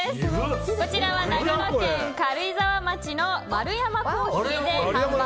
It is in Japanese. こちらは長野県軽井沢町の丸山珈琲で販売。